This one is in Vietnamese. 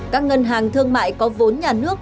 các ngân hàng thương mại có vốn nhà nước